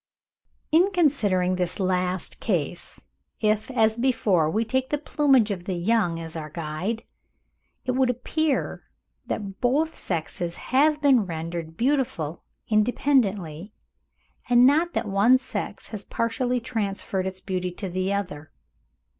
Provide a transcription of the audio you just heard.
In considering this last case, if as before we take the plumage of the young as our guide, it would appear that both sexes have been rendered beautiful independently; and not that one sex has partially transferred its beauty to the other.